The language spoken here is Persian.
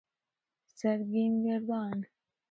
سرگین گردان